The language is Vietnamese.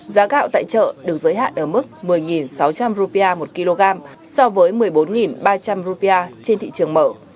giá gạo tại chợ được giới hạn ở mức một mươi sáu trăm linh rupiah một kg so với một mươi bốn ba trăm linh rupia trên thị trường mở